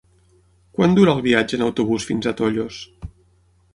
Quant dura el viatge en autobús fins a Tollos?